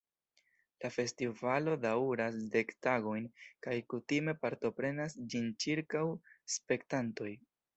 La festivalo daŭras dek tagojn kaj kutime partoprenas ĝin ĉirkaŭ spektantoj.